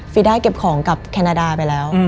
ได้เก็บของกับแคนาดาไปแล้ว